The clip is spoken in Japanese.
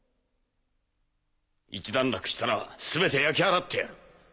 一段落したらすべて焼き払ってやる。